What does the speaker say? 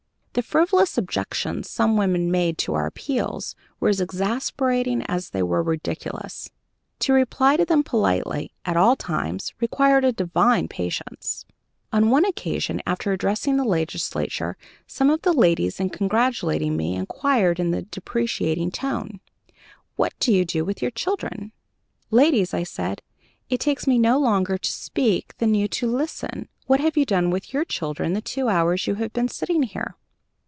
The frivolous objections some women made to our appeals were as exasperating as they were ridiculous. To reply to them politely, at all times, required a divine patience. On one occasion, after addressing the legislature, some of the ladies, in congratulating me, inquired, in a deprecating tone, "What do you do with your children?" "Ladies," I said, "it takes me no longer to speak, than you to listen; what have you done with your children the two hours you have been sitting here?